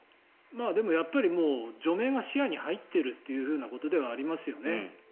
でもやっぱり除名が視野に入っているということではありますよね。